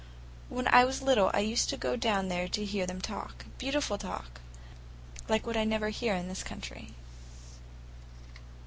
When I was little I used to go down there to hear them talk—beautiful talk, like what I never hear in this country."